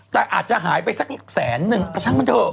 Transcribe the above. แต่อาจจะหายไปแสนหนึ่งก็ชั้นไม่ถูก